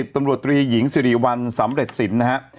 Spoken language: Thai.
ตำรวจตรีหญิงสิริวัลสำเร็จสินนะฮะ